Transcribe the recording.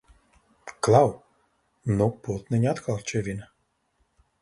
Klau! Nu putniņi atkal čivina!